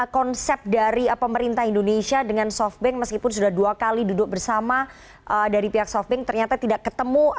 konsep dari pemerintah indonesia dengan softbank meskipun sudah dua kali duduk bersama dari pihak softbank ternyata tidak ketemu